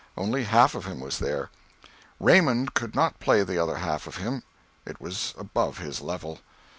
Only half of him was there. Raymond could not play the other half of him; it was above his level.